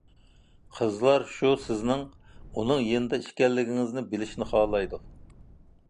قىزلار شۇ سىزنىڭ ئۇنىڭ يېنىدا ئىكەنلىكىڭىزنى بىلىشنى خالايدۇ.